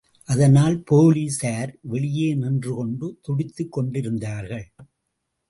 அதனால் போலீசார் வெளியே நின்று கொண்டு துடித்துக் கொண்டிருந்தார்கள்.